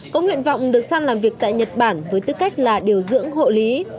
có nguyện vọng được sang làm việc tại nhật bản với tư cách là điều dưỡng hộ lý